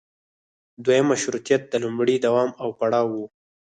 دویم مشروطیت د لومړي دوام او پړاو و.